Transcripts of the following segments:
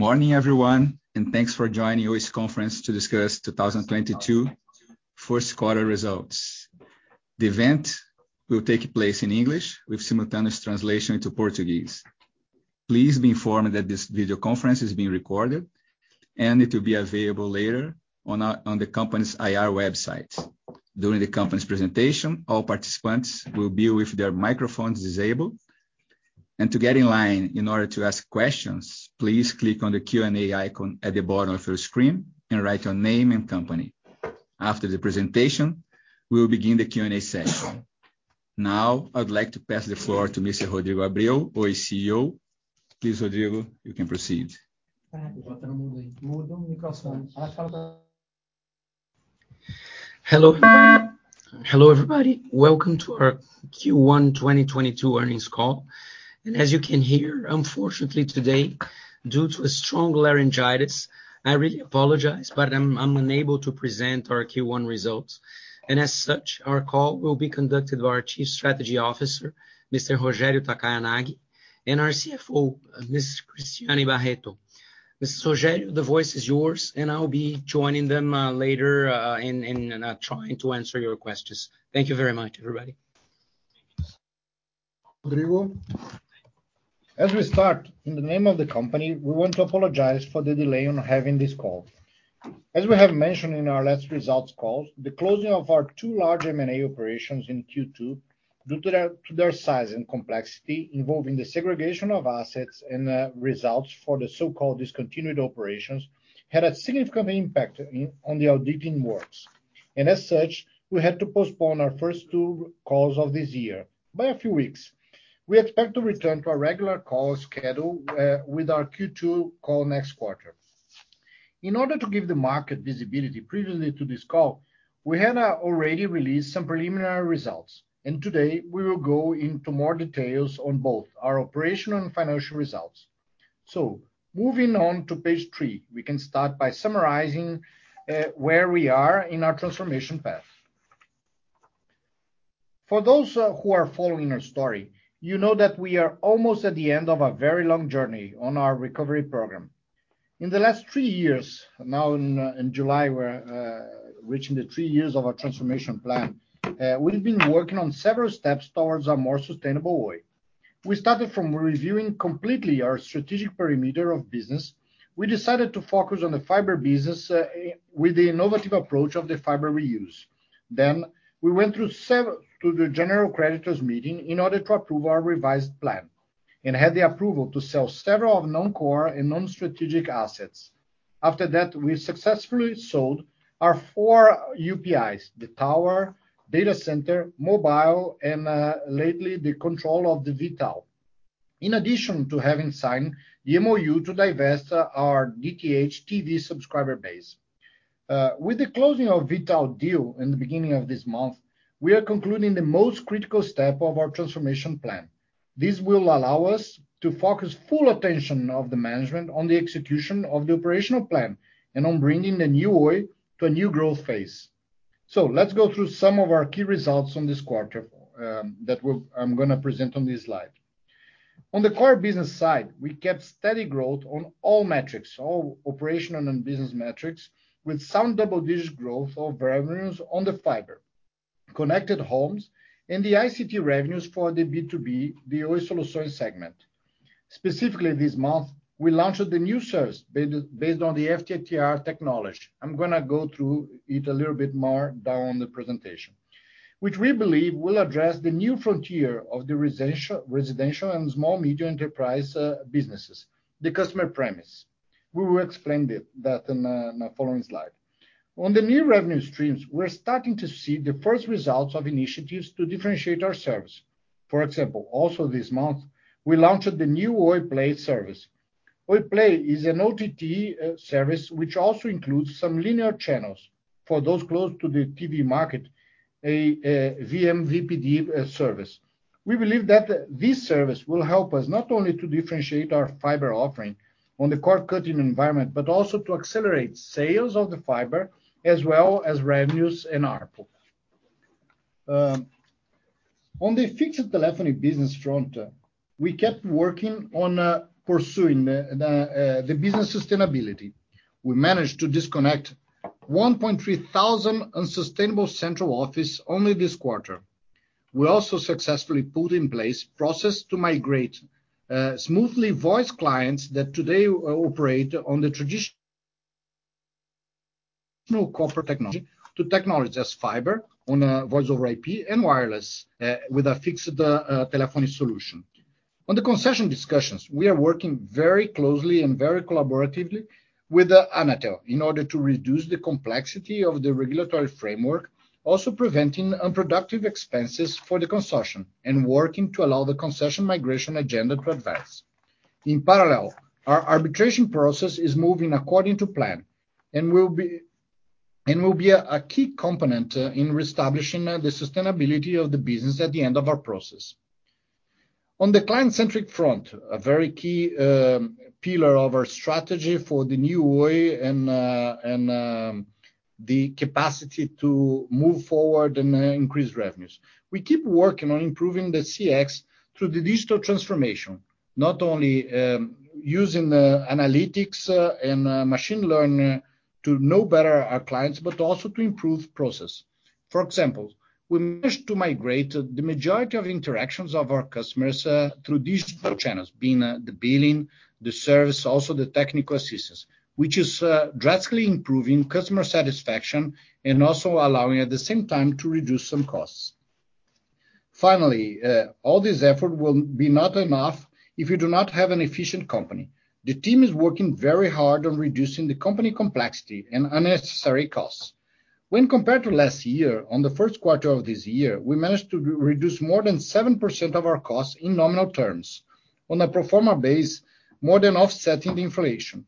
Good morning everyone, and thanks for joining Oi S.A's conference to discuss 2022 first quarter results. The event will take place in English with simultaneous translation to Portuguese. Please be informed that this video conference is being recorded, and it will be available later on the company's IR website. During the company's presentation, all participants will be with their microphones disabled. To get in line in order to ask questions, please click on the Q&A icon at the bottom of your screen and write your name and company. After the presentation, we will begin the Q&A session. Now, I'd like to pass the floor to Mr. Rodrigo Abreu, Oi S.A's CEO. Please, Rodrigo, you can proceed. Hello, everybody. Welcome to our Q1 2022 earnings call. As you can hear, unfortunately today, due to a strong laryngitis, I really apologize, but I'm unable to present our Q1 results. As such, our call will be conducted by our Chief Strategy Officer, Mr. Rogério Takayanagi, and our CFO, Mrs. Cristiane Barreto. Mr. Rogério, the voice is yours, and I'll be joining them later in trying to answer your questions. Thank you very much, everybody. As we start, in the name of the company, we want to apologize for the delay on having this call. As we have mentioned in our last results call, the closing of our two large M&A operations in Q2, due to their size and complexity involving the segregation of assets and results for the so-called discontinued operations, had a significant impact on the auditing works. As such, we had to postpone our first two calls of this year by a few weeks. We expect to return to our regular call schedule with our Q2 call next quarter. In order to give the market visibility previously to this call, we had already released some preliminary results, and today we will go into more details on both our operational and financial results. Moving on to page three, we can start by summarizing where we are in our transformation path. For those who are following our story, you know that we are almost at the end of a very long journey on our recovery program. In the last three years, now in July, we're reaching the three years of our transformation plan, we've been working on several steps towards a more sustainable way. We started from reviewing completely our strategic perimeter of business. We decided to focus on the fiber business with the innovative approach of the fiber reuse. Then we went through the general creditors meeting in order to approve our revised plan and had the approval to sell several of non-core and non-strategic assets. After that, we successfully sold our four UPIs, the tower, data center, mobile, and lately, the control of the V.tal. In addition to having signed the MoU to divest our DTH TV subscriber base. With the closing of V.tal deal in the beginning of this month, we are concluding the most critical step of our transformation plan. This will allow us to focus full attention of the management on the execution of the operational plan and on bringing the new Oi to a new growth phase. Let's go through some of our key results on this quarter that I'm gonna present on this slide. On the core business side, we kept steady growth on all metrics, all operational and business metrics, with some double-digit growth of revenues on the fiber, connected homes, and the ICT revenues for the B2B, the Oi Soluções segment. Specifically this month, we launched the new service based on the FTTR technology. I'm gonna go through it a little bit more down the presentation, which we believe will address the new frontier of the residential and small and medium enterprise businesses, the customer premise. We will explain that in a following slide. On the new revenue streams, we're starting to see the first results of initiatives to differentiate our service. For example, also this month, we launched the new Oi Play service. Oi Play is an OTT service, which also includes some linear channels for those close to the TV market, a vMVPD service. We believe that this service will help us not only to differentiate our fiber offering on the cord-cutting environment but also to accelerate sales of the fiber as well as revenues and ARPU. On the fixed telephony business front, we kept working on pursuing the business sustainability. We managed to disconnect 1,300 unsustainable central offices only this quarter. We also successfully put in place processes to migrate smoothly voice clients that today operate on the traditional copper technology to technologies such as fiber on a voice over IP and wireless with a fixed telephony solution. On the concession discussions, we are working very closely and very collaboratively with the Anatel in order to reduce the complexity of the regulatory framework, also preventing unproductive expenses for the concession and working to allow the concession migration agenda to advance. In parallel, our arbitration process is moving according to plan and will be a key component in reestablishing the sustainability of the business at the end of our process. On the client-centric front, a very key pillar of our strategy for the new Oi and the capacity to move forward and increase revenues. We keep working on improving the CX through the digital transformation. Not only using the analytics and machine learning to know better our clients, but also to improve process. For example, we managed to migrate the majority of interactions of our customers through digital channels, being the billing, the service, also the technical assistance, which is drastically improving customer satisfaction and also allowing, at the same time, to reduce some costs. Finally, all this effort will be not enough if you do not have an efficient company. The team is working very hard on reducing the company complexity and unnecessary costs. When compared to last year, in the first quarter of this year, we managed to reduce more than 7% of our costs in nominal terms. On a pro forma basis, more than offsetting the inflation.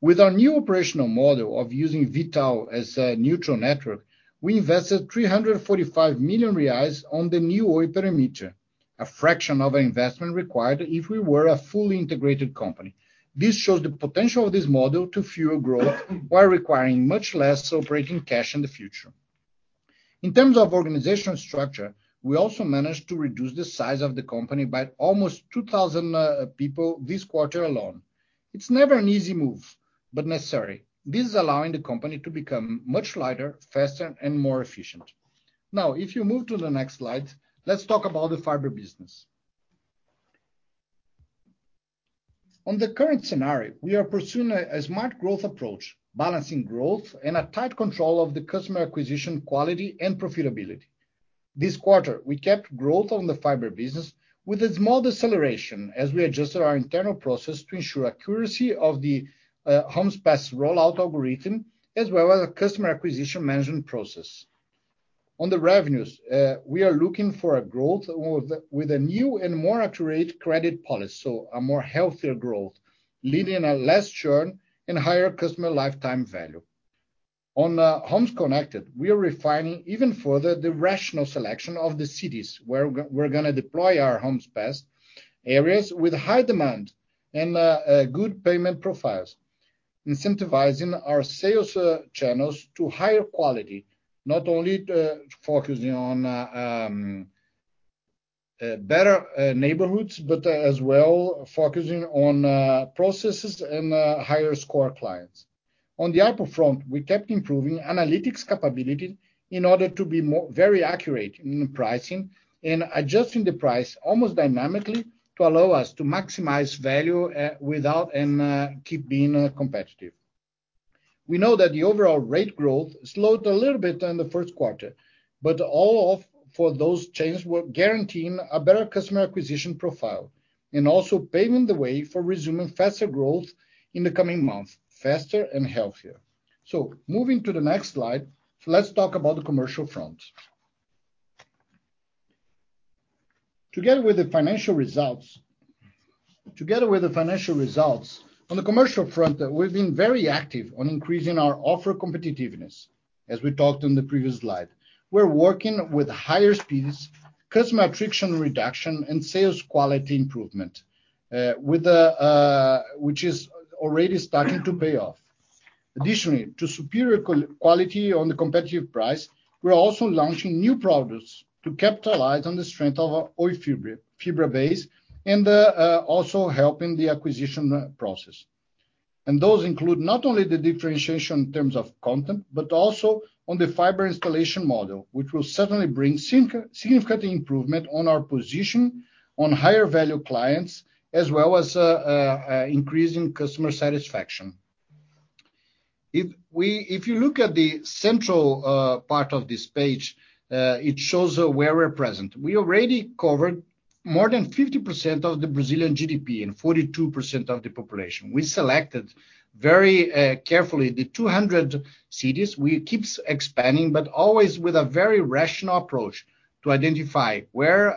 With our new operational model of using V.tal as a neutral network, we invested 345 million reais on the new Oi perimeter, a fraction of our investment required if we were a fully integrated company. This shows the potential of this model to fuel growth while requiring much less operating cash in the future. In terms of organizational structure, we also managed to reduce the size of the company by almost 2,000 people this quarter alone. It's never an easy move, but necessary. This is allowing the company to become much lighter, faster, and more efficient. Now, if you move to the next slide, let's talk about the fiber business. On the current scenario, we are pursuing a smart growth approach, balancing growth and a tight control of the customer acquisition quality and profitability. This quarter, we kept growth on the fiber business with a small deceleration as we adjusted our internal process to ensure accuracy of the homes passed rollout algorithm, as well as a customer acquisition management process. On the revenues, we are looking for a growth with a new and more accurate credit policy, so a more healthier growth, leading a less churn and higher customer lifetime value. On homes connected, we are refining even further the rational selection of the cities where we're gonna deploy our homes passed, areas with high demand and good payment profiles, incentivizing our sales channels to higher quality, not only to focusing on better neighborhoods, but as well focusing on processes and higher score clients. On the uptake front, we kept improving analytics capability in order to be more very accurate in pricing and adjusting the price almost dynamically to allow us to maximize value and keep being competitive. We know that the overall rate growth slowed a little bit in the first quarter. All of those changes were guaranteeing a better customer acquisition profile and also paving the way for resuming faster growth in the coming months, faster and healthier. Moving to the next slide, let's talk about the commercial front. Together with the financial results, on the commercial front, we've been very active on increasing our offer competitiveness, as we talked on the previous slide. We're working with higher speeds, customer attrition reduction, and sales quality improvement, which is already starting to pay off. Additionally, to superior quality on the competitive price, we're also launching new products to capitalize on the strength of our Oi Fibra base and also helping the acquisition process. Those include not only the differentiation in terms of content, but also on the fiber installation model, which will certainly bring significant improvement on our position on higher value clients, as well as increasing customer satisfaction. If you look at the central part of this page, it shows where we're present. We already covered more than 50% of the Brazilian GDP and 42% of the population. We selected very carefully the 200 cities. We keep expanding, but always with a very rational approach to identify where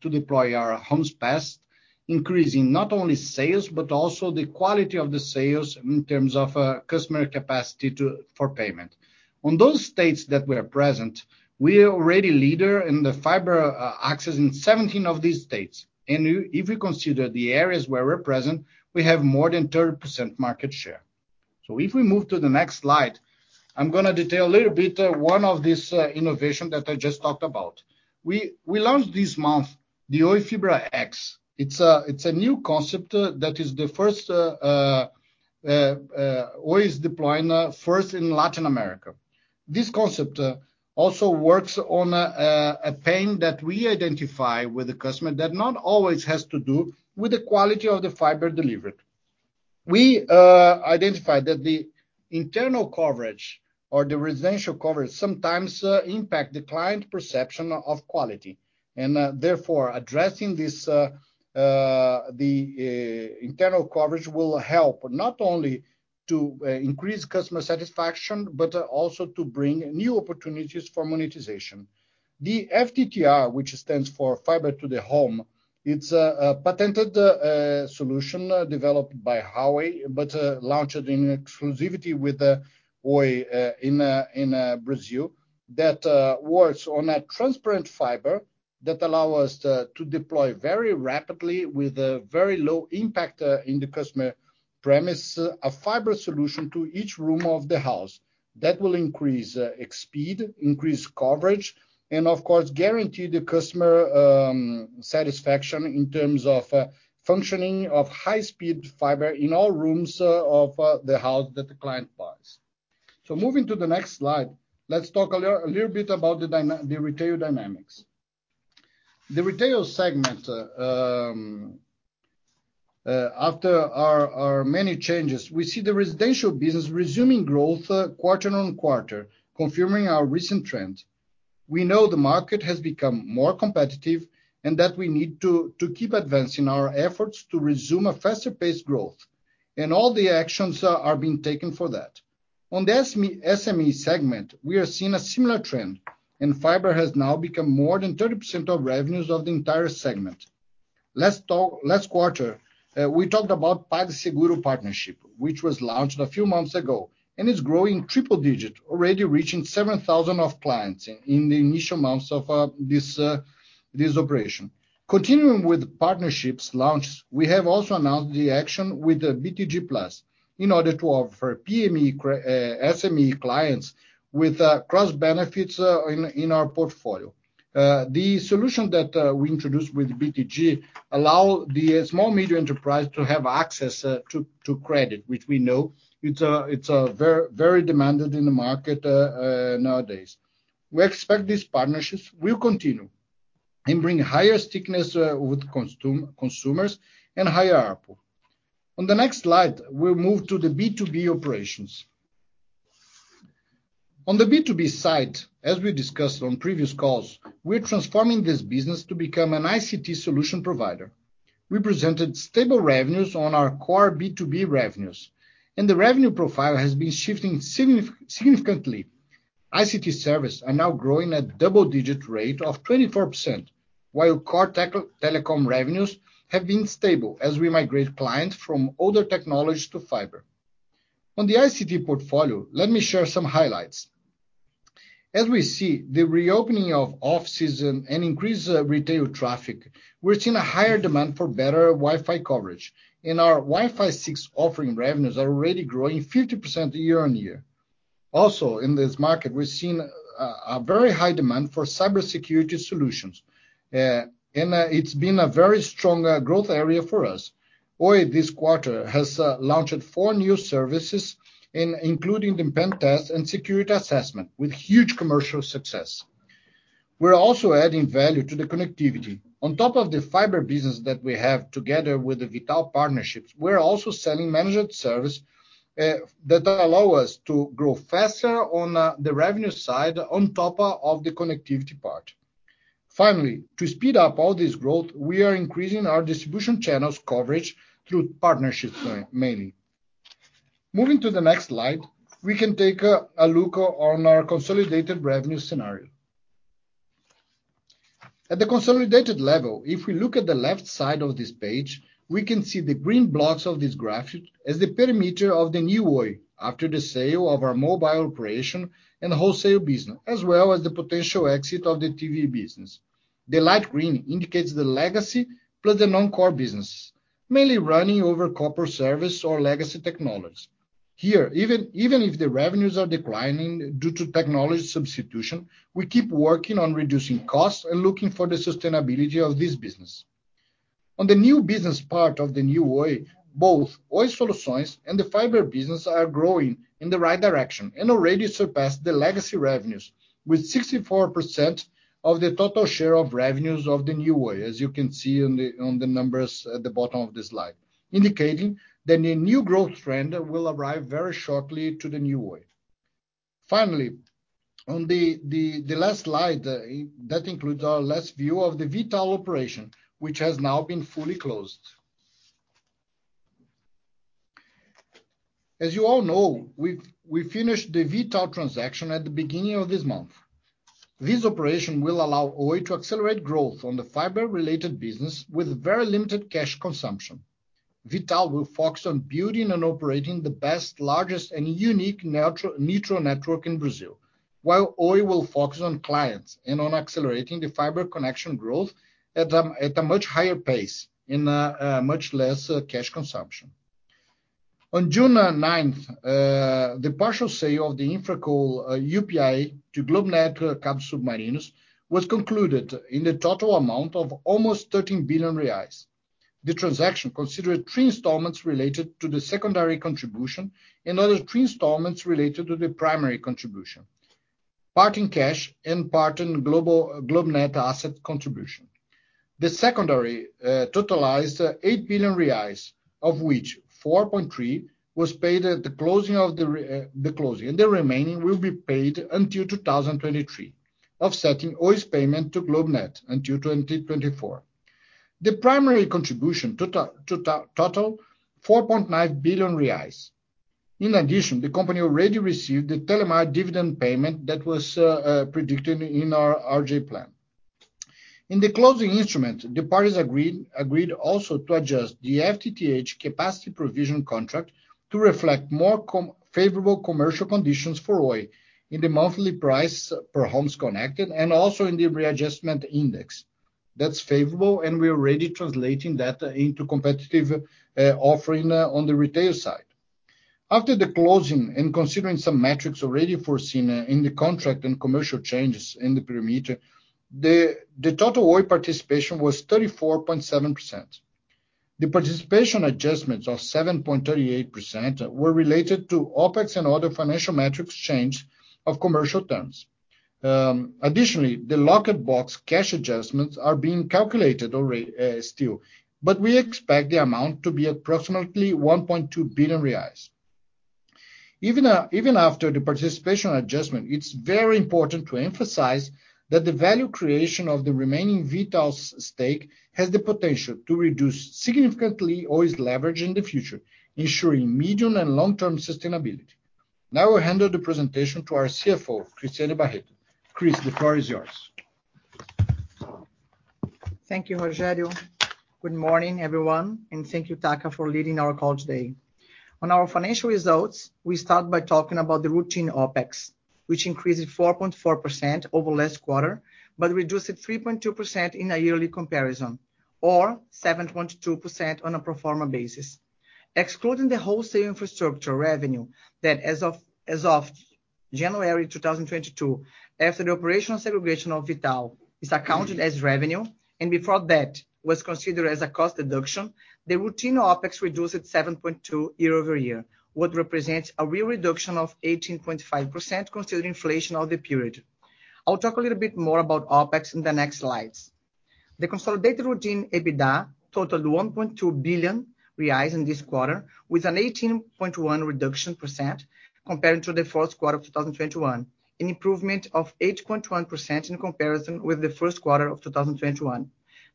to deploy our homes passed, increasing not only sales, but also the quality of the sales in terms of customer capacity for payment. On those states that we are present, we are already the leader in the fiber access in 17 of these states. If you consider the areas where we're present, we have more than 30% market share. If we move to the next slide, I'm gonna detail a little bit one of these innovation that I just talked about. We launched this month the Oi Fibra X. It's a new concept that is the first Oi is deploying first in Latin America. This concept also works on a pain that we identify with the customer that not always has to do with the quality of the fiber delivered. We identified that the internal coverage or the residential coverage sometimes impact the client perception of quality, and therefore, addressing this, the internal coverage will help not only to increase customer satisfaction, but also to bring new opportunities for monetization. The FTTR, which stands for Fiber to the Room, it's a patented solution developed by Huawei, but launched in exclusivity with the Oi in Brazil that works on a transparent fiber that allow us to deploy very rapidly with a very low impact in the customer premise, a fiber solution to each room of the house. That will increase speed, increase coverage, and of course, guarantee the customer satisfaction in terms of functioning of high-speed fiber in all rooms of the house that the client buys. Moving to the next slide, let's talk a little bit about the retail dynamics. The retail segment after our many changes, we see the residential business resuming growth quarter on quarter, confirming our recent trend. We know the market has become more competitive and that we need to keep advancing our efforts to resume a faster-paced growth and all the actions are being taken for that. On the SME segment, we are seeing a similar trend, and fiber has now become more than 30% of revenues of the entire segment. Last quarter, we talked about PagSeguro partnership, which was launched a few months ago, and is growing triple-digit, already reaching 7,000 clients in the initial months of this operation. Continuing with partnerships launched, we have also announced the action with the BTG+, in order to offer PME, SME clients with cross-benefits in our portfolio. The solution that we introduced with BTG allows the small and medium enterprise to have access to credit, which we know it's very much in demand in the market nowadays. We expect these partnerships will continue and bring higher stickiness with consumers and higher ARPU. On the next slide, we'll move to the B2B operations. On the B2B side, as we discussed on previous calls, we're transforming this business to become an ICT solution provider. We presented stable revenues on our core B2B revenues, and the revenue profile has been shifting significantly. ICT services are now growing at double-digit rate of 24%, while core telecom revenues have been stable as we migrate clients from older technologies to fiber. On the ICT portfolio, let me share some highlights. As we see, the reopening of off season and increased retail traffic, we're seeing a higher demand for better Wi-Fi coverage. In our Wi-Fi 6 offering, revenues are already growing 50% year-on-year. Also, in this market, we've seen a very high demand for cybersecurity solutions. It's been a very strong growth area for us. Oi, this quarter has launched four new services, including the pen test and security assessment with huge commercial success. We're also adding value to the connectivity. On top of the fiber business that we have together with the V.tal partnerships, we're also selling managed service that allow us to grow faster on the revenue side on top of the connectivity part. Finally, to speed up all this growth, we are increasing our distribution channels coverage through partnerships, mainly. Moving to the next slide, we can take a look on our consolidated revenue scenario. At the consolidated level, if we look at the left side of this page, we can see the green blocks of this graph as the perimeter of the new Oi after the sale of our mobile operation and wholesale business, as well as the potential exit of the TV business. The light green indicates the legacy, plus the non-core business, mainly running over corporate service or legacy technology. Here, even if the revenues are declining due to technology substitution, we keep working on reducing costs and looking for the sustainability of this business. On the new business part of the new Oi, both Oi Soluções and the fiber business are growing in the right direction and already surpassed the legacy revenues, with 64% of the total share of revenues of the new Oi, as you can see on the numbers at the bottom of the slide, indicating that a new growth trend will arrive very shortly to the new Oi. Finally, on the last slide that includes our last view of the V.tal operation, which has now been fully closed. As you all know, we finished the V.tal transaction at the beginning of this month. This operation will allow Oi to accelerate growth on the fiber-related business with very limited cash consumption. V.tal will focus on building and operating the best, largest and unique neutral network in Brazil. While Oi will focus on clients and on accelerating the fiber connection growth at a much higher pace and much less cash consumption. On June 9, the partial sale of the InfraCo UPI to GlobeNet Cabos Submarinos was concluded in the total amount of almost 13 billion reais. The transaction considered three installments related to the secondary contribution and other three installments related to the primary contribution, part in cash and part in GlobeNet asset contribution. The secondary totalized 8 billion reais, of which 4.3 billion was paid at the closing, and the remaining will be paid until 2023, offsetting Oi's payment to GlobeNet until 2024. The primary contribution totaled 4.9 billion reais. In addition, the company already received the Telemar dividend payment that was predicted in our RJ plan. In the closing instrument, the parties agreed also to adjust the FTTH capacity provision contract to reflect more favorable commercial conditions for Oi in the monthly price per homes connected and also in the readjustment index. That's favorable, and we're already translating that into competitive offering on the retail side. After the closing and considering some metrics already foreseen in the contract and commercial changes in the perimeter, the total Oi participation was 34.7%. The participation adjustments of 7.38% were related to OpEx and other financial metrics change of commercial terms. Additionally, the locked box cash adjustments are being calculated already still, but we expect the amount to be approximately 1.2 billion reais. Even after the participation adjustment, it's very important to emphasize that the value creation of the remaining V.tal's stake has the potential to reduce significantly Oi's leverage in the future, ensuring medium and long-term sustainability. Now I'll hand the presentation to our CFO, Cristiane Barreto. Cris, the floor is yours. Thank you, Rogério. Good morning, everyone, and thank you, Taka, for leading our call today. On our financial results, we start by talking about the routine OpEx, which increased 4.4% over last quarter, but reduced 3.2% in a yearly comparison, or 7.2% on a pro forma basis. Excluding the wholesale infrastructure revenue that as of January 2022, after the operational segregation of V.tal, is accounted as revenue, and before that was considered as a cost deduction. The routine OpEx reduced 7.2% year-over-year, what represents a real reduction of 18.5% considering inflation of the period. I'll talk a little bit more about OpEx in the next slides. The consolidated routine EBITDA totaled 1.2 billion reais in this quarter, with an 18.1% reduction compared to the fourth quarter of 2021. An improvement of 8.1% in comparison with the first quarter of 2021.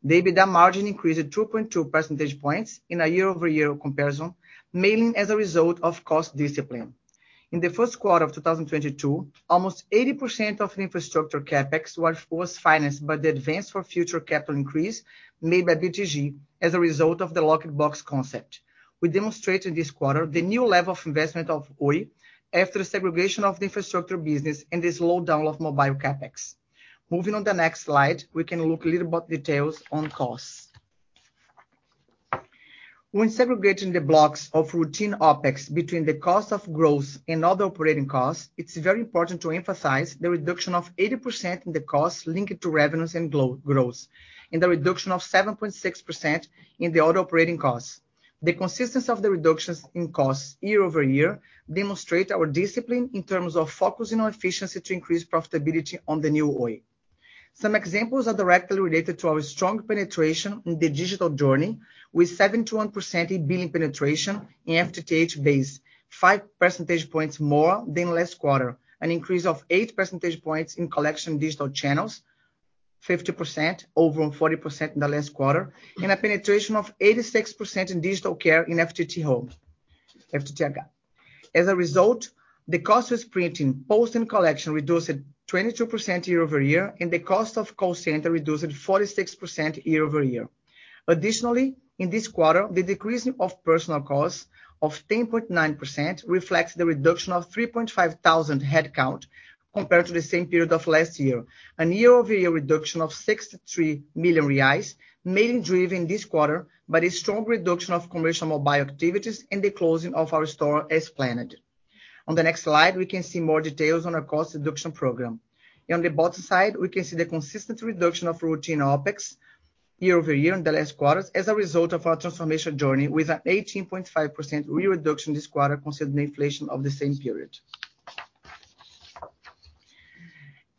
The EBITDA margin increased 2.2 percentage points in a year-over-year comparison, mainly as a result of cost discipline. In the first quarter of 2022, almost 80% of the infrastructure CapEx was financed by the advance for future capital increase made by BTG as a result of the locked box concept. We demonstrated this quarter the new level of investment of Oi after the segregation of the infrastructure business and the slowdown of mobile CapEx. Moving on to the next slide, we can look at a little more details on costs. When segregating the blocks of routine OpEx between the cost of growth and other operating costs, it's very important to emphasize the reduction of 80% in the costs linked to revenues and growth, and the reduction of 7.6% in the other operating costs. The consistency of the reductions in costs year-over-year demonstrate our discipline in terms of focusing on efficiency to increase profitability on the new Oi. Some examples are directly related to our strong penetration in the digital journey, with 71% eBilling penetration in FTTH base, 5 percentage points more than last quarter. An increase of 8 percentage points in collection digital channels, 50% over 40% in the last quarter. A penetration of 86% in digital care in FTTH home. As a result, the cost of printing, post and collection reduced 22% year-over-year, and the cost of call center reduced 46% year-over-year. Additionally, in this quarter, the decrease of personal costs of 10.9% reflects the reduction of 3,500 headcount compared to the same period of last year. A year-over-year reduction of 63 million reais, mainly driven this quarter by a strong reduction of commercial mobile activities and the closing of our store as planned. On the next slide, we can see more details on our cost reduction program. On the bottom side, we can see the consistent reduction of routine OpEx year-over-year in the last quarters as a result of our transformation journey with an 18.5% real reduction this quarter considering inflation of the same period.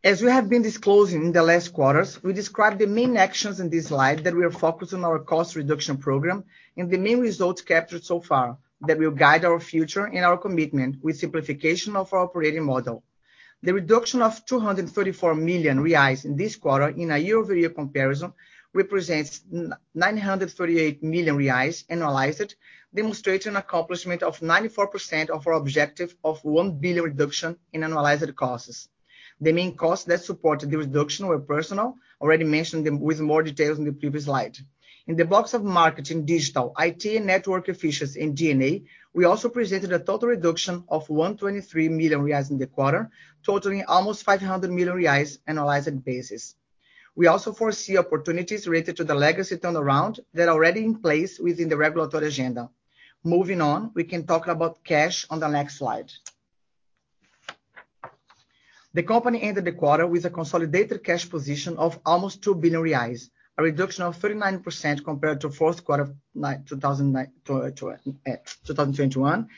As we have been disclosing in the last quarters, we describe the main actions in this slide that we are focused on our cost reduction program and the main results captured so far that will guide our future and our commitment with simplification of our operating model. The reduction of 234 million reais in this quarter in a year-over-year comparison represents nine hundred and thirty-eight million reais annualized, demonstrating accomplishment of 94% of our objective of 1 billion reduction in annualized costs. The main costs that supported the reduction were personnel, already mentioned in with more details in the previous slide. In the blocks of marketing, digital, IT and network efficiencies in D&A, we also presented a total reduction of 123 million reais in the quarter, totaling almost 500 million reais annualized basis. We also foresee opportunities related to the legacy turnaround that are already in place within the regulatory agenda. Moving on, we can talk about cash on the next slide. The company ended the quarter with a consolidated cash position of almost 2 billion reais, a reduction of 39% compared to fourth quarter 2021,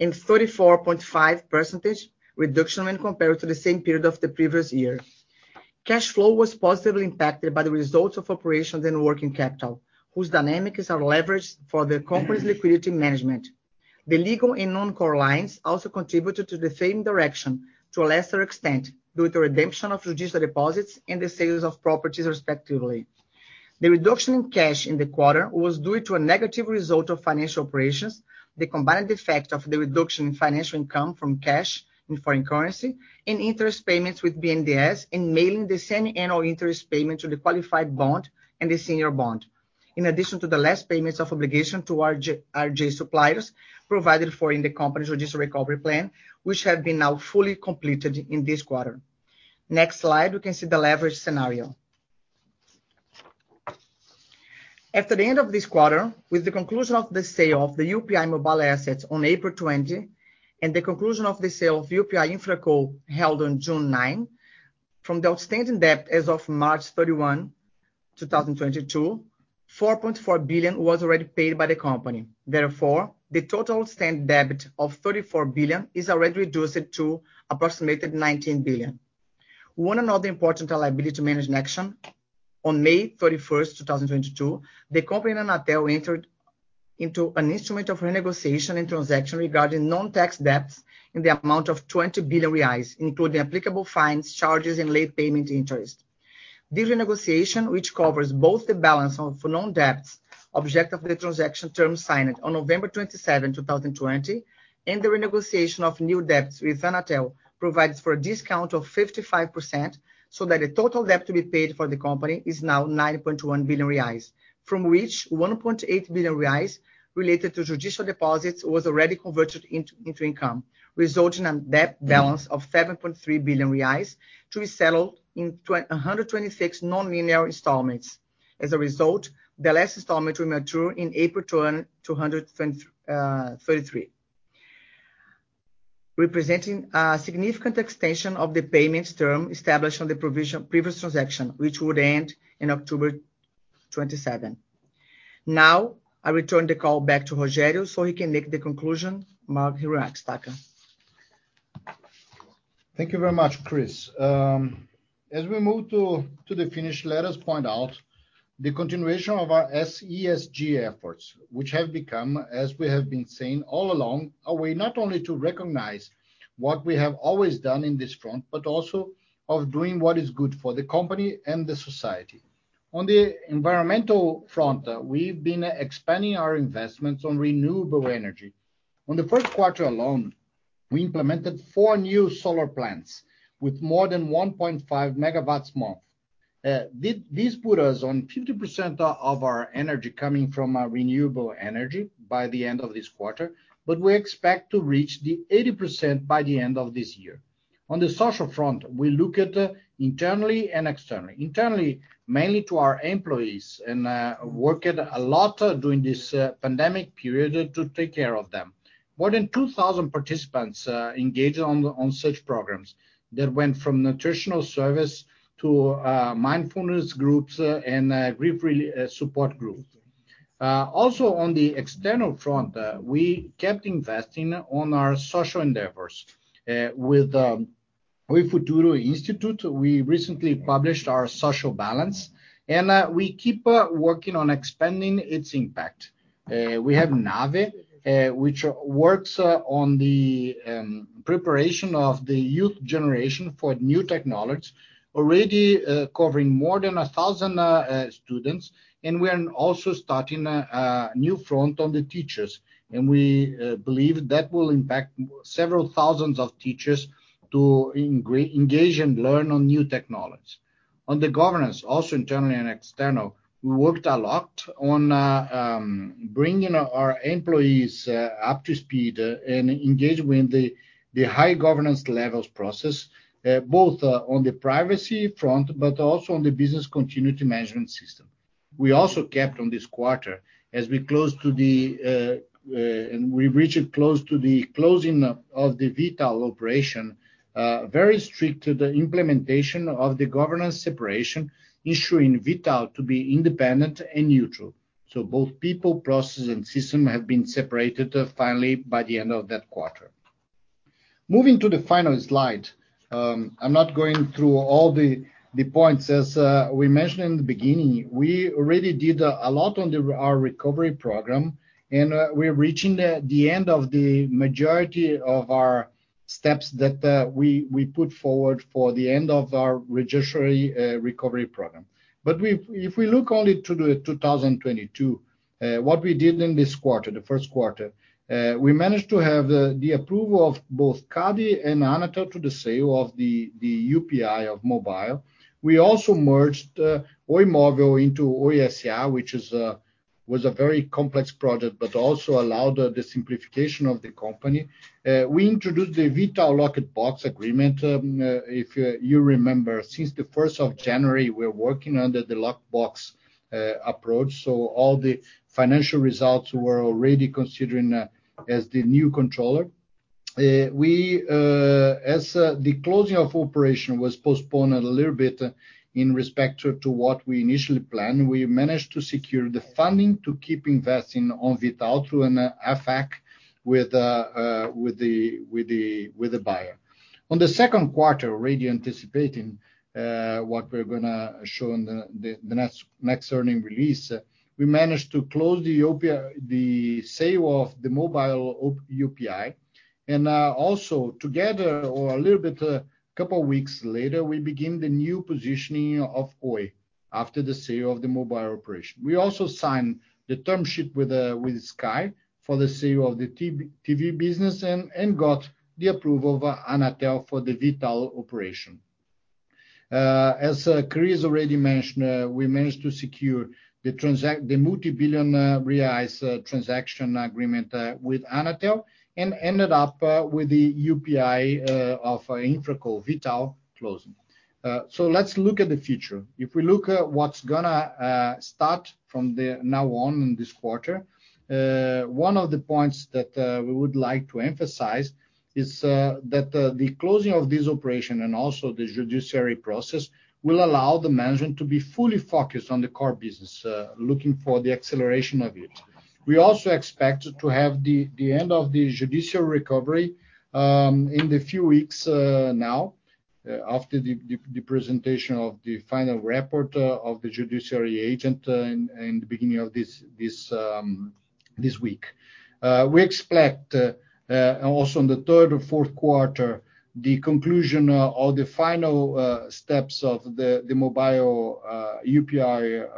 and 34.5% reduction when compared to the same period of the previous year. Cash flow was positively impacted by the results of operations and working capital, whose dynamics are leveraged for the company's liquidity management. The legal and non-core lines also contributed to the same direction to a lesser extent, due to redemption of judicial deposits and the sales of properties respectively. The reduction in cash in the quarter was due to a negative result of financial operations, the combined effect of the reduction in financial income from cash in foreign currency and interest payments with BNDES, and mainly the semi-annual interest payment to the qualified bond and the senior bond. In addition to the last payments of obligation to our J suppliers, provided for in the company's judicial recovery plan, which have been now fully completed in this quarter. Next slide, we can see the leverage scenario. After the end of this quarter, with the conclusion of the sale of the UPI Mobile assets on April 20, and the conclusion of the sale of UPI InfraCo held on June 9. From the outstanding debt as of March 31, 2022, 4.4 billion was already paid by the company. Therefore, the total outstanding debt of 34 billion is already reduced to approximately 19 billion. Another important liability management action, on May 31st, 2022, the company and Anatel entered into an instrument of renegotiation and transaction regarding non-tax debts in the amount of 20 billion reais, including applicable fines, charges, and late payment interest. The renegotiation, which covers both the balance on non-tax debts, object of the transaction terms signed on November 27, 2020, and the renegotiation of new debts with Anatel, provides for a discount of 55%, so that the total debt to be paid for the company is now 9.1 billion reais. From which 1.8 billion reais related to judicial deposits was already converted into income, resulting in debt balance of 7.3 billion reais to be settled in 126 non-linear installments. As a result, the last installment will mature in April 2023. Representing a significant extension of the payments term established on the previous transaction, which would end in October 2027. Now, I return the call back to Rogério so he can make the conclusion. Rogério Takayanagi, take it. Thank you very much, Chris. As we move to the finish, let us point out the continuation of our ESG efforts, which have become, as we have been saying all along, a way not only to recognize what we have always done in this front, but also of doing what is good for the company and the society. On the environmental front, we've been expanding our investments on renewable energy. On the first quarter alone, we implemented 4 new solar plants with more than 1.5 megawatts month. This put us on 50% of our energy coming from renewable energy by the end of this quarter, but we expect to reach the 80% by the end of this year. On the social front, we look at internally and externally. Internally, mainly to our employees and worked a lot during this pandemic period to take care of them. More than 2,000 participants engaged on such programs that went from nutritional service to mindfulness groups and grief support group. Also on the external front, we kept investing on our social endeavors with Oi Futuro. We recently published our social balance, and we keep working on expanding its impact. We have Nave, which works on the preparation of the youth generation for new technology, already covering more than 1,000 students. We are also starting a new front on the teachers. We believe that will impact several thousands of teachers to engage and learn on new technology. On the governance, also internally and external, we worked a lot on bringing our employees up to speed and engage with the high governance levels process, both on the privacy front, but also on the business continuity management system. We also kept on this quarter as we reached close to the closing of the V.tal operation, very strict to the implementation of the governance separation, ensuring V.tal to be independent and neutral. Both people, process, and system have been separated finally by the end of that quarter. Moving to the final slide, I'm not going through all the points. We mentioned in the beginning, we already did a lot on our recovery program, and we're reaching the end of the majority of our steps that we put forward for the end of our recovery program. If we look only to 2022, what we did in this quarter, the first quarter, we managed to have the approval of both CADE and Anatel to the sale of the UPI Mobile. We also merged Oi Móvel into Oi S.A., which was a very complex project, but also allowed the simplification of the company. We introduced the V.tal locked box agreement. If you remember, since the first of January, we're working under the locked box approach, so all the financial results were already considering as the new controller. As the closing of operation was postponed a little bit in respect to what we initially planned, we managed to secure the funding to keep investing on V.tal through an AFAC with the buyer. On the second quarter, already anticipating what we're gonna show on the next earnings release, we managed to close the sale of the mobile UPI. Also together or a little bit couple weeks later, we begin the new positioning of Oi after the sale of the mobile operation. We also signed the term sheet with Sky for the sale of the pay TV business and got the approval of Anatel for the V.tal operation. As Chris already mentioned, we managed to secure the multi-billion-BRL transaction agreement with Anatel, and ended up with the UPI of InfraCo V.tal closing. Let's look at the future. If we look at what's gonna start from now on in this quarter, one of the points that we would like to emphasize is that the closing of this operation and also the judicial process will allow the management to be fully focused on the core business, looking for the acceleration of it. We also expect to have the end of the judicial recovery in a few weeks after the presentation of the final report of the judiciary agent in the beginning of this week. We expect also in the third or fourth quarter the conclusion or the final steps of the mobile UPI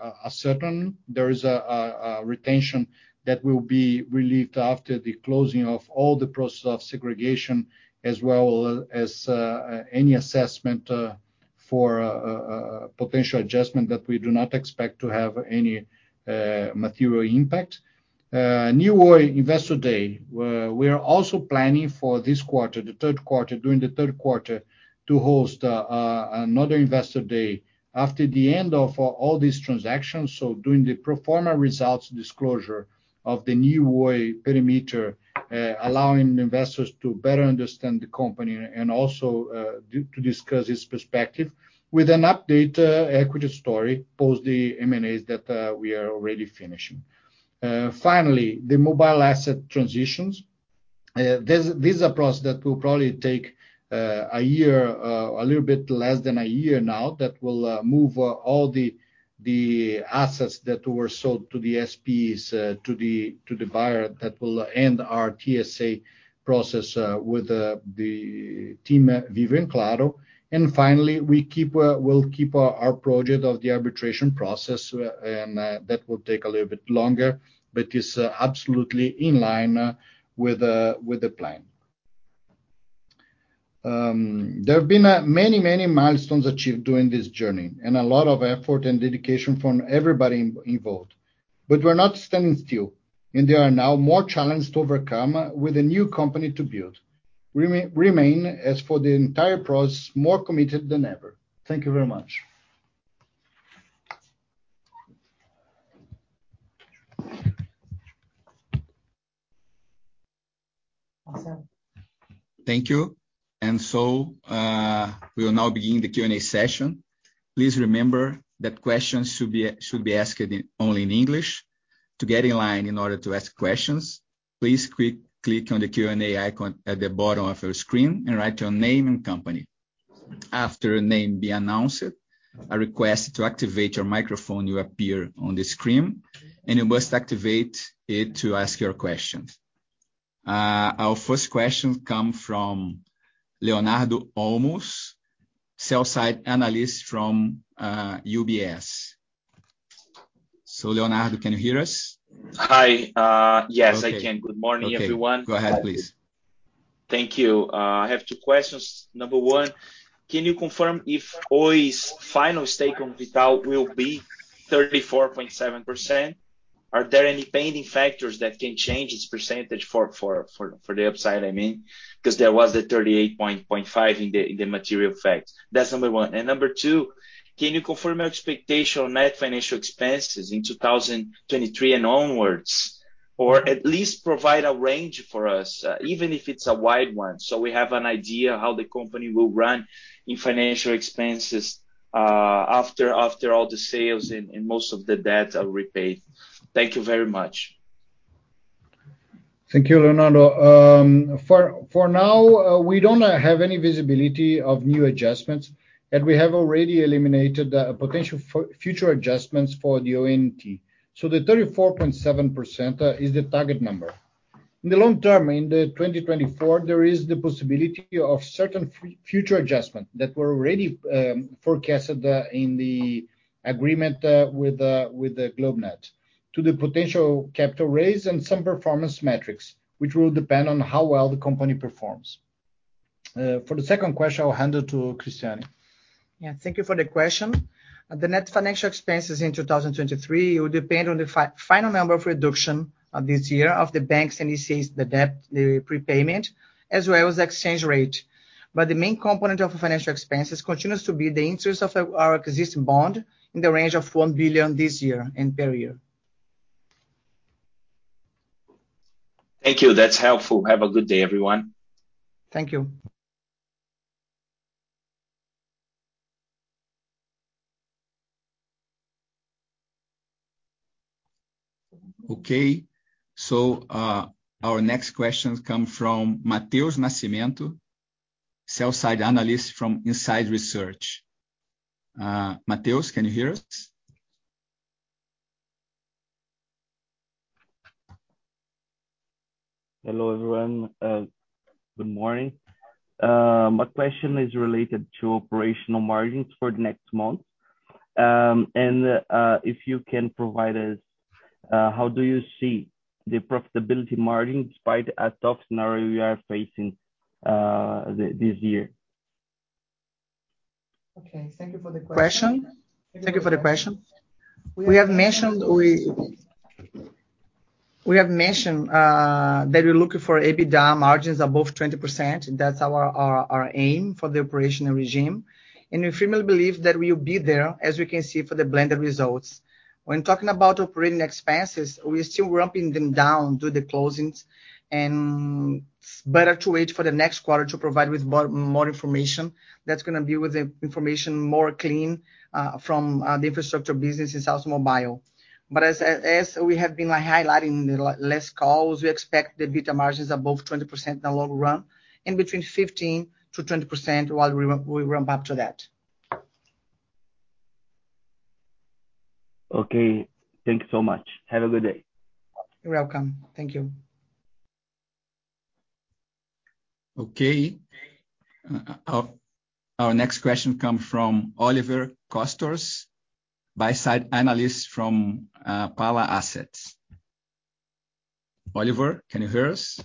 are certain. There is a retention that will be relieved after the closing of all the process of segregation, as well as any assessment for potential adjustment that we do not expect to have any material impact. New Oi Investor Day. We are also planning for this quarter, during the third quarter, to host another investor day after the end of all these transactions, so during the pro forma results disclosure of the new Oi perimeter, allowing investors to better understand the company and also to discuss its perspective with an updated equity story, post the M&As that we are already finishing. Finally, the mobile asset transitions. This is a process that will probably take a year, a little bit less than a year now, that will move all the assets that were sold to the SPs to the buyer that will end our TSA process with the team at Vivo and Claro. Finally, we'll keep our project of the arbitration process, and that will take a little bit longer, but is absolutely in line with the plan. There have been many milestones achieved during this journey, and a lot of effort and dedication from everybody involved. We're not standing still, and there are now more challenges to overcome with a new company to build. Remain as for the entire process, more committed than ever. Thank you very much. Awesome. Thank you. We will now begin the Q&A session. Please remember that questions should be asked only in English. To get in line in order to ask questions, please click on the Q&A icon at the bottom of your screen and write your name and company. After a name be announced, a request to activate your microphone will appear on the screen, and you must activate it to ask your question. Our first question come from Leonardo Olmos, Sell-side Analyst from UBS. Leonardo, can you hear us? Hi. Yes, I can. Okay. Good morning, everyone. Okay. Go ahead, please. Thank you. I have two questions. Number one, can you confirm if Oi's final stake on V.tal will be 34.7%? Are there any pending factors that can change this percentage for the upside, I mean, because there was the 38.5% in the material fact. That's number one. Number two, can you confirm your expectation on net financial expenses in 2023 and onwards? Or at least provide a range for us, even if it's a wide one, so we have an idea how the company will run in financial expenses after all the sales and most of the debt are repaid. Thank you very much. Thank you, Leonardo. For now, we don't have any visibility of new adjustments, and we have already eliminated potential future adjustments for the ONT. So the 34.7% is the target number. In the long term, in 2024, there is the possibility of certain future adjustment that were already forecasted in the agreement with GlobeNet to the potential capital raise and some performance metrics, which will depend on how well the company performs. For the second question, I'll hand it to Cristiane. Thank you for the question. The net financial expenses in 2023 will depend on the final number of reduction of this year, of the banks' and ECs, the debt, the prepayment, as well as exchange rate. The main component of financial expenses continues to be the interest of our existing bond in the range of 1 billion this year and per year. Thank you. That's helpful. Have a good day, everyone. Thank you. Okay. Our next question come from Matheus Nascimento, Sell-side Analyst from Inside Research. Matheus, can you hear us? Hello, everyone. Good morning. My question is related to operational margins for the next month. If you can provide us how do you see the profitability margin despite a tough scenario you are facing this year? Okay. Thank you for the question. Question. Thank you for the question. We have mentioned that we're looking for EBITDA margins above 20%. That's our aim for the operational regime. We firmly believe that we will be there, as we can see for the blended results. When talking about operating expenses, we're still ramping them down through the closings. Better to wait for the next quarter to provide with more information. That's gonna be with the information more clean from the infrastructure business in Oi Móvel. As we have been highlighting the last calls, we expect the EBITDA margins above 20% in the long run and between 15% to 20% while we ramp up to that. Okay. Thank you so much. Have a good day. You're welcome. Thank you. Okay. Our next question comes from Oliver Gosters, Buy-side Analyst from Pala Assets. Oliver, can you hear us?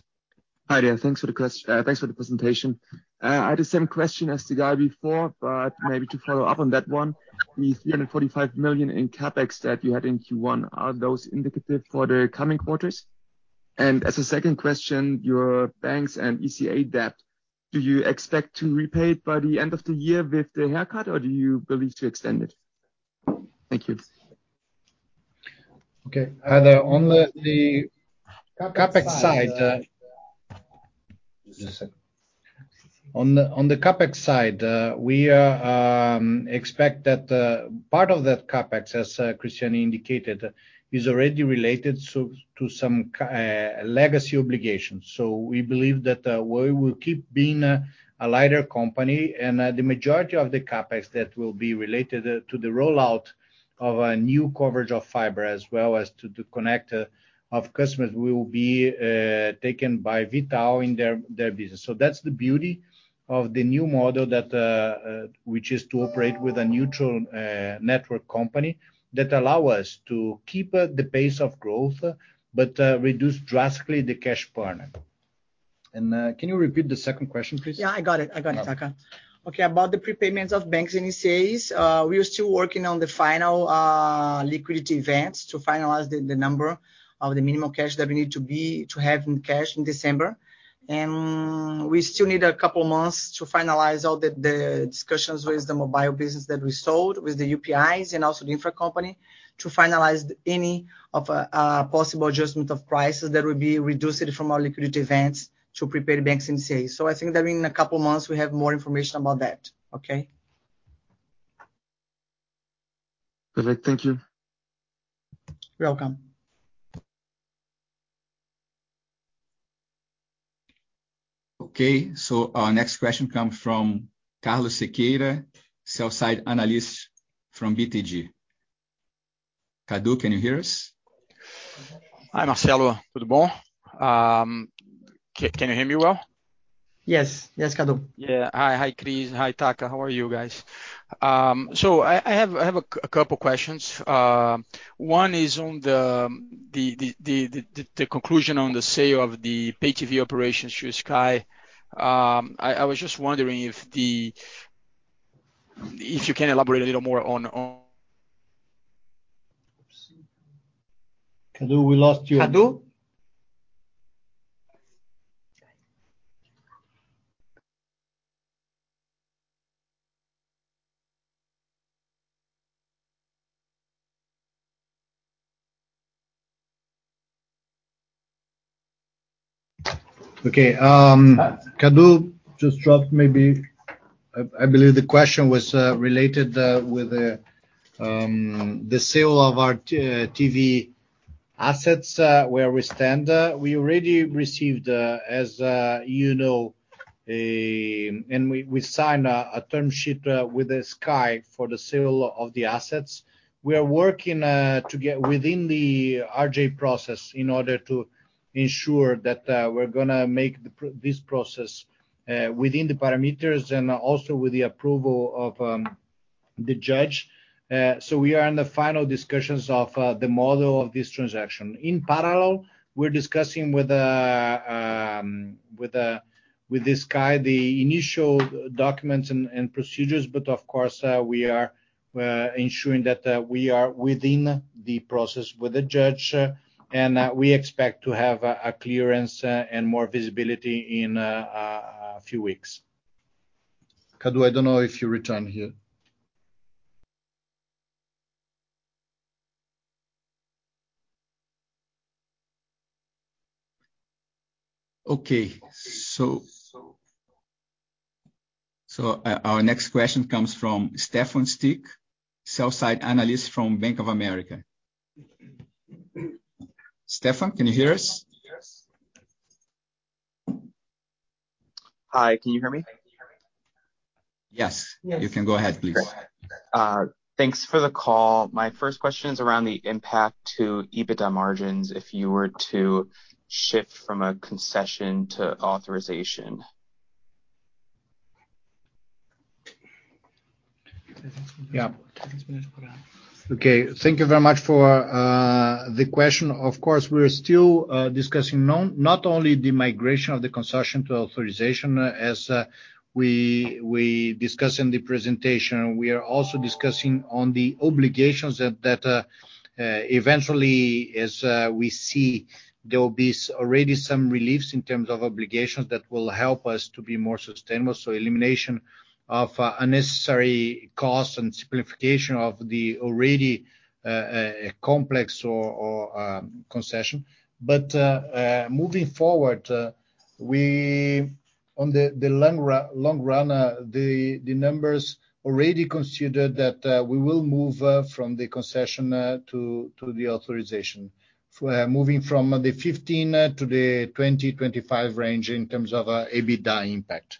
Hi there. Thanks for the presentation. I had the same question as the guy before, but maybe to follow up on that one. The 345 million in CapEx that you had in Q1, are those indicative for the coming quarters? And as a second question, your banks and ECAs debt, do you expect to repay it by the end of the year with the haircut or do you believe to extend it? Thank you. Okay. On the CapEx side. CapEx side. Just a second. On the CapEx side, we expect that part of that CapEx, as Cristiane indicated, is already related to some legacy obligations. We believe that we will keep being a lighter company. The majority of the CapEx that will be related to the rollout of a new coverage of fiber, as well as to the connecting of customers, will be taken by V.tal in their business. That's the beauty of the new model that which is to operate with a neutral network company that allow us to keep the pace of growth, but reduce drastically the cash burn. Can you repeat the second question, please? Yeah, I got it. I got it, Taka. Okay. Okay. About the prepayments of banks and ECAs, we are still working on the final liquidity events to finalize the number of the minimum cash that we need to have in cash in December. We still need a couple months to finalize all the discussions with the mobile business that we sold, with the UPIs and also the infra company to finalize any possible adjustment of prices that will be reduced from our liquidity events to prepare banks and ECAs. I think that in a couple of months we have more information about that. Okay? Perfect. Thank you. You're welcome. Okay. Our next question comes from Carlos Sequeira, sell-side analyst from BTG. Cadu, can you hear us? Hi, Marcelo. Tudo bom? Can you hear me well? Yes. Cadu. Yeah. Hi. Chris. Hi, Taka. How are you guys? I have a couple questions. One is on the conclusion on the sale of the pay TV operations through SKY. I was just wondering if you can elaborate a little more on. Oops. Cadu, we lost you. Cadu? Guys. Okay. Cadu just dropped. Maybe I believe the question was related with the sale of our TV assets, where we stand. We already received, as you know, a... We signed a term sheet with Sky for the sale of the assets. We are working to get within the RJ process in order to ensure that we're gonna make this process within the parameters and also with the approval of the judge. We are in the final discussions of the model of this transaction. In parallel, we're discussing with Sky the initial documents and procedures. But of course, we are ensuring that we are within the process with the judge. We expect to have a clearance and more visibility in a few weeks. Cadu, I don't know if you returned here. Okay. Our next question comes from Stefan Leijdekkers, sell-side analyst from Bank of America. Stefan, can you hear us? Yes. Hi, can you hear me? Yes. Yes. You can go ahead, please. Great. Thanks for the call. My first question is around the impact to EBITDA margins if you were to shift from a concession to authorization. Yeah. I think it's better to put out. Okay. Thank you very much for the question. Of course, we're still discussing not only the migration of the concession to authorization, as we discussed in the presentation. We are also discussing on the obligations that eventually, as we see, there will be already some reliefs in terms of obligations that will help us to be more sustainable. Elimination of unnecessary costs and simplification of the already complex concession. Moving forward, we on the long run, the numbers already considered that we will move from the concession to the authorization. We're moving from the 15 to the 20-25 range in terms of EBITDA impact.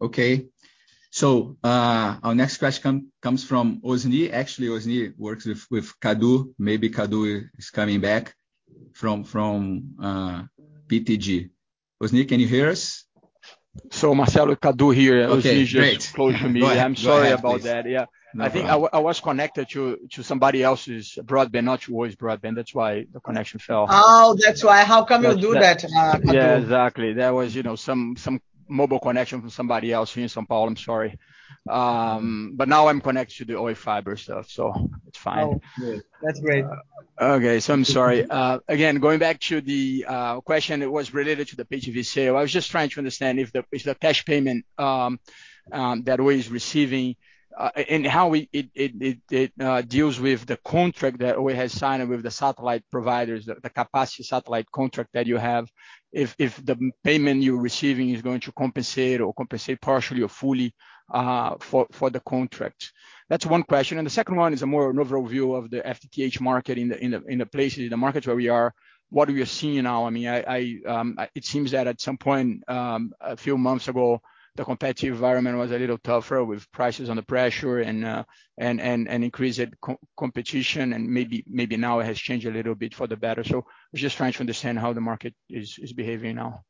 Okay. Our next question comes from Osni. Actually, Osni works with Cadu. Maybe Cadu is coming back from BTG. Osni, can you hear us? Marcelo, Cadu here. Okay, great. Osni is close to me. Go ahead. please. I'm sorry about that. Yeah. No problem. I think I was connected to somebody else's broadband, not to Oi's broadband. That's why the connection fell. Oh, that's why. How come you do that? Yeah, exactly. There was, you know, some mobile connection from somebody else here in São Paulo. I'm sorry. Now I'm connected to the Oi Fibra, so it's fine. Oh, good. That's great. Okay. I'm sorry. Again, going back to the question that was related to the PGV sale. I was just trying to understand if the cash payment that Oi is receiving and how it deals with the contract that Oi has signed with the satellite providers, the capacity satellite contract that you have. If the payment you're receiving is going to compensate partially or fully for the contract. That's one question. The second one is a more overview of the FTTH market in the markets where we are. What we are seeing now, I mean, it seems that at some point, a few months ago, the competitive environment was a little tougher with prices under pressure and increased co-competition, and maybe now it has changed a little bit for the better. I was just trying to understand how the market is behaving now.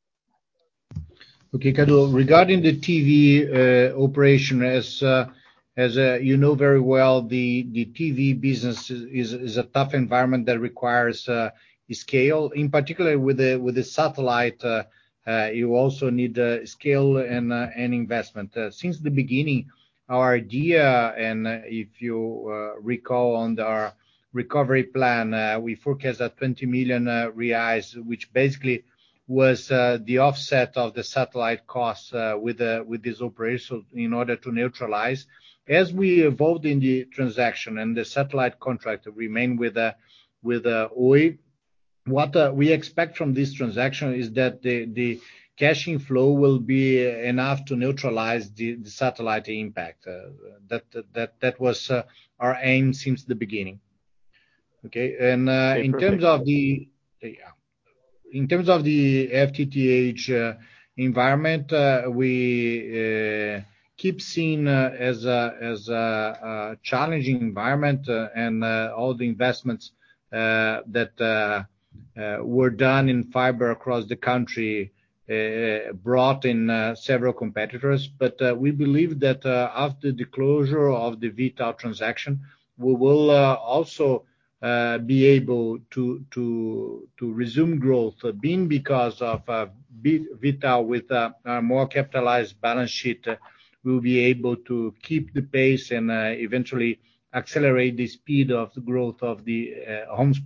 Okay, Cadu. Regarding the TV operation, as you know very well, the TV business is a tough environment that requires scale. In particular with the satellite, you also need scale and investment. Since the beginning, our idea, and if you recall on our recovery plan, we forecast that 20 million reais, which basically was the offset of the satellite costs with this operation in order to neutralize. As we evolved in the transaction and the satellite contract remained with Oi, what we expect from this transaction is that the cash flow will be enough to neutralize the satellite impact. That was our aim since the beginning. Okay. Okay. Perfect. In terms of the FTTH environment, we keep seeing as a challenging environment, and all the investments that were done in fiber across the country brought in several competitors. We believe that after the closure of the V.tal transaction, we will also be able to resume growth because of V.tal with a more capitalized balance sheet. We'll be able to keep the pace and eventually accelerate the speed of the growth of the homes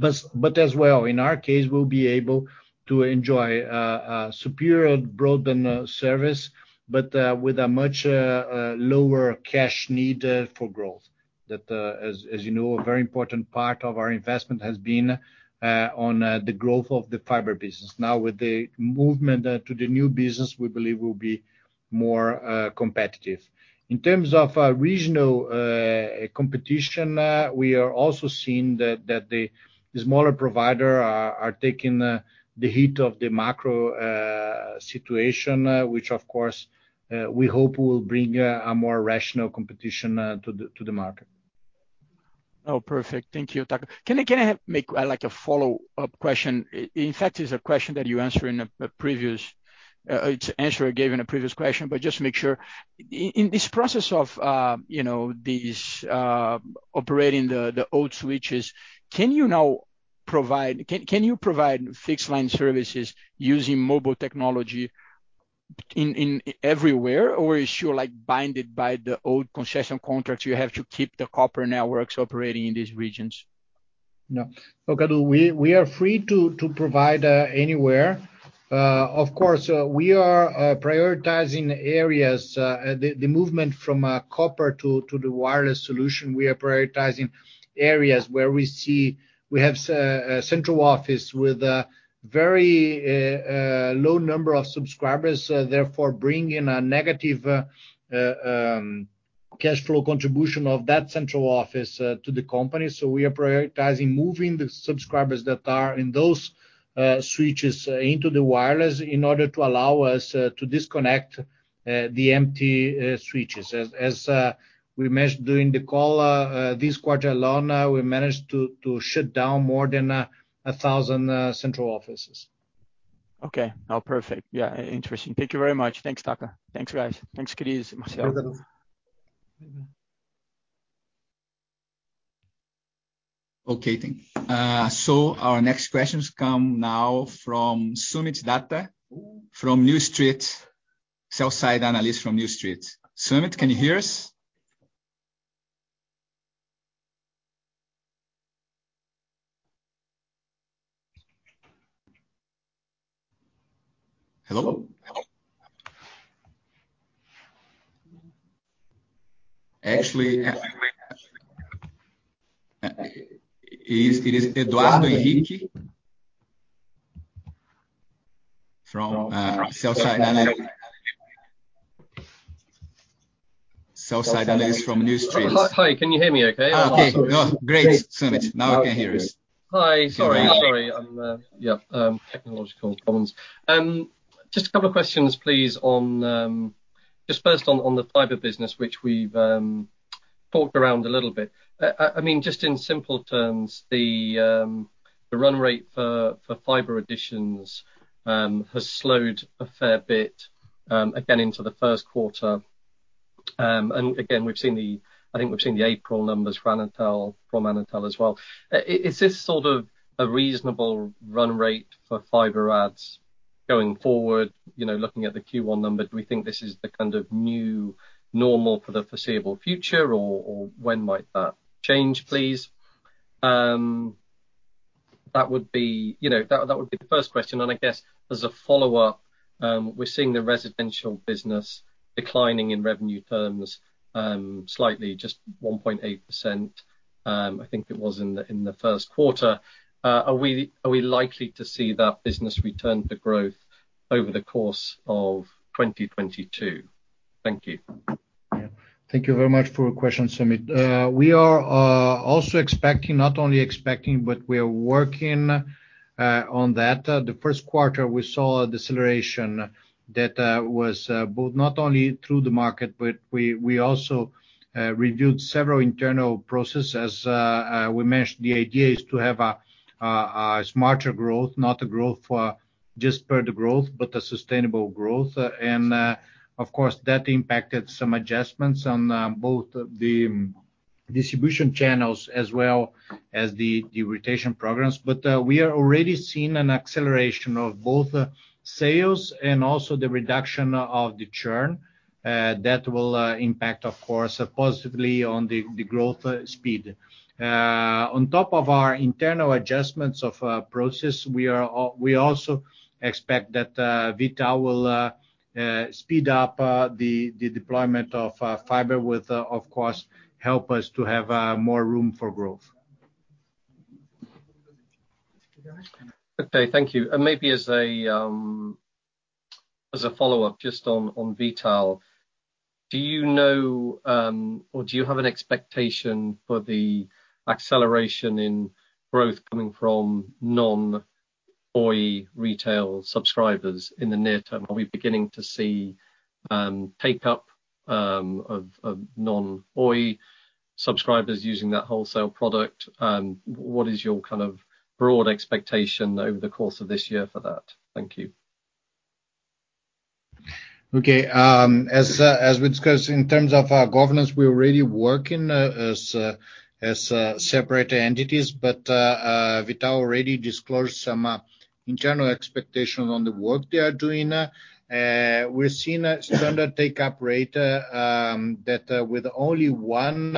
passed. As well, in our case, we'll be able to enjoy a superior broadband service, but with a much lower cash need for growth. As you know, a very important part of our investment has been on the growth of the fiber business. Now, with the movement to the new business, we believe we'll be more competitive. In terms of regional competition, we are also seeing that the smaller provider are taking the hit of the macro situation, which of course we hope will bring a more rational competition to the market. Oh, perfect. Thank you, Taka. Can I make, like, a follow-up question? In fact, it's a question that you answered in a previous, the answer you gave in a previous question, but just to make sure. In this process of, you know, operating the old switches, can you provide fixed line services using mobile technology everywhere? Or are you, like, bound by the old concession contracts? You have to keep the copper networks operating in these regions? No. Cadu, we are free to provide anywhere. Of course, we are prioritizing areas, the movement from copper to the wireless solution. We are prioritizing areas where we see we have a central office with a very low number of subscribers, therefore bringing a negative cash flow contribution of that central office to the company. We are prioritizing moving the subscribers that are in those switches into the wireless in order to allow us to disconnect the empty switches. As we mentioned during the call, this quarter alone, we managed to shut down more than 1,000 central offices. Okay. Oh, perfect. Yeah, interesting. Thank you very much. Thanks, Taka. Thanks, guys. Thanks, Chris, Marcelo. You're welcome. Okay, thank you. Our next questions come now from Soomit Datta, from New Street, sell-side analyst from New Street. Sumit, can you hear us? Hello? Actually, it is Eduardo Henrique, sell-side analyst from New Street. Hi, can you hear me okay? Okay, good. Great, Soomit. Now I can hear you. Hi. Sorry. Yeah, technological problems. Just a couple of questions, please, on just first on the fiber business, which we've talked around a little bit. I mean, just in simple terms, the run rate for fiber additions has slowed a fair bit, again into the first quarter. Again, I think we've seen the April numbers for Anatel, from Anatel as well. Is this sort of a reasonable run rate for fiber adds going forward? You know, looking at the Q1 numbers, do we think this is the kind of new normal for the foreseeable future, or when might that change, please? That would be, you know, that would be the first question. I guess as a follow-up, we're seeing the residential business declining in revenue terms, slightly, just 1.8%, I think it was in the first quarter. Are we likely to see that business return to growth over the course of 2022? Thank you. Yeah. Thank you very much for your question, Sumit. We are also expecting, not only expecting, but we are working on that. The first quarter, we saw a deceleration that was both not only through the market, but we also reviewed several internal processes. We mentioned the idea is to have a smarter growth, not a growth just for the growth, but a sustainable growth. Of course, that impacted some adjustments on both the distribution channels as well as the rotation programs. We are already seeing an acceleration of both sales and also the reduction of the churn that will impact, of course, positively on the growth speed. On top of our internal adjustments of process, we also expect that V.tal will speed up the deployment of fiber with of course help us to have more room for growth. Okay, thank you. Maybe as a follow-up just on V.tal, do you know or do you have an expectation for the acceleration in growth coming from non-Oi retail subscribers in the near term? Are we beginning to see take-up of non-Oi subscribers using that wholesale product? What is your kind of broad expectation over the course of this year for that? Thank you. Okay. As we discussed in terms of our governance, we're already working as separate entities. V.tal already disclosed some internal expectation on the work they are doing. We're seeing a standard take-up rate that, with only one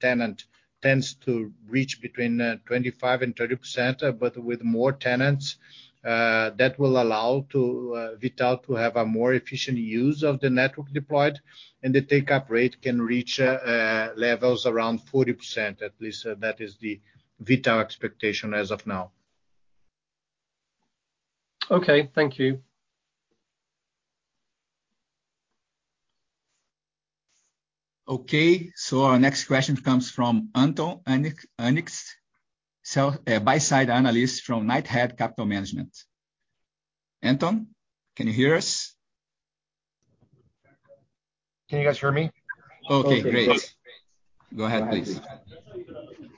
tenant, tends to reach between 25% and 30%. With more tenants, that will allow to V.tal to have a more efficient use of the network deployed. The take-up rate can reach levels around 40%. At least that is the V.tal expectation as of now. Okay. Thank you. Okay. Our next question comes from Anton Anikst, Buy-side Analyst from Knighthead Capital Management. Anton, can you hear us? Can you guys hear me? Okay, great. Go ahead, please.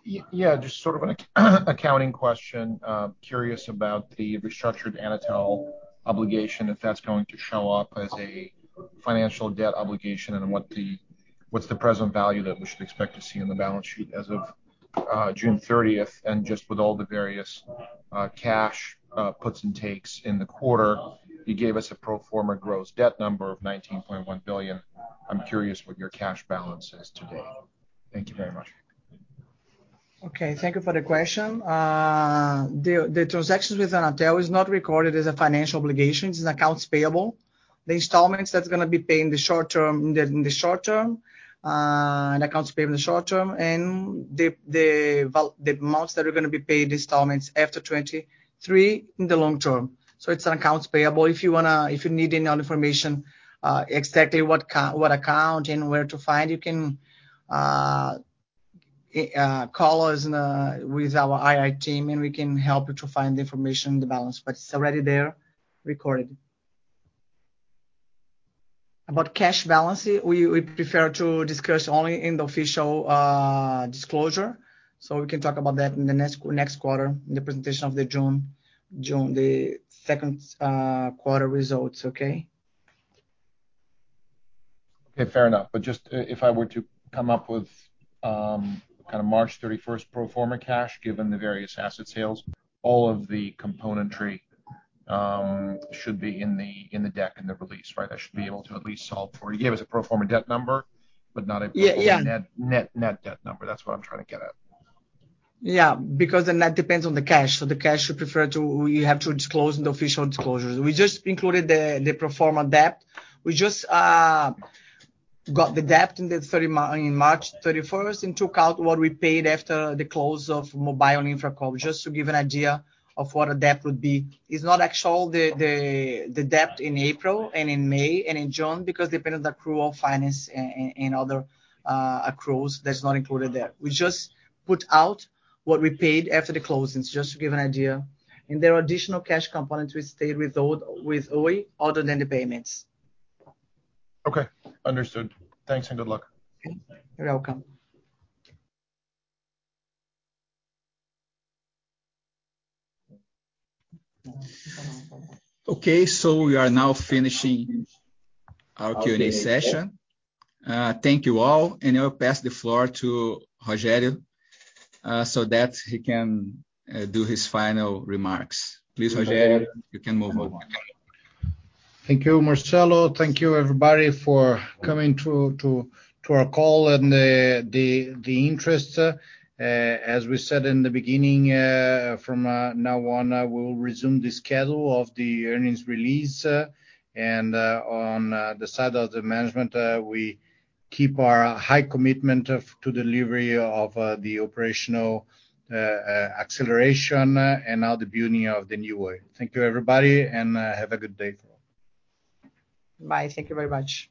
Yeah, just sort of an accounting question. Curious about the restructured Anatel obligation, if that's going to show up as a financial debt obligation, and what's the present value that we should expect to see on the balance sheet as of June thirtieth. Just with all the various cash puts and takes in the quarter, you gave us a pro forma gross debt number of 19.1 billion. I'm curious what your cash balance is today. Thank you very much. Okay. Thank you for the question. The transactions with Anatel is not recorded as a financial obligation. It's accounts payable. The installments that's gonna be paid in the short term, in the short term, accounts payable in the short term and the amounts that are gonna be paid in installments after 2023 in the long term. So it's an accounts payable. If you wanna. If you need any other information, exactly what account and where to find, you can. Call us, and with our IR team, and we can help you to find the information, the balance. But it's already there recorded. About cash balance, we prefer to discuss only in the official disclosure, so we can talk about that in the next quarter, in the presentation of the June the second quarter results, okay? Okay, fair enough. Just if I were to come up with, kind of March thirty-first pro forma cash, given the various asset sales, all of the componentry, should be in the, in the deck, in the release, right? I should be able to at least solve for. You gave us a pro forma debt number, but not a- Yeah. pro forma net debt number. That's what I'm trying to get at. Yeah. Because then that depends on the cash. The cash should refer to, we have to disclose in the official disclosures. We just included the pro forma debt. We just got the debt in March thirty-first and took out what we paid after the close of Mobile InfraCo, just to give an idea of what the debt would be. It's not the actual debt in April and in May and in June, because depending on the accruals, financing and other accruals, that's not included there. We just took out what we paid after the closings, just to give an idea. There are additional cash components we withheld with Oi other than the payments. Okay. Understood. Thanks and good luck. You're welcome. Okay, so we are now finishing our Q&A session. Thank you all, and I'll pass the floor to Rogério, so that he can do his final remarks. Please, Rogério, you can move on. Thank you, Marcelo. Thank you, everybody, for coming to our call and the interest. As we said in the beginning, from now on, we'll resume the schedule of the earnings release. On the side of the management, we keep our high commitment to delivery of the operational acceleration and now the building of the new Oi. Thank you, everybody, and have a good day to all. Bye. Thank you very much.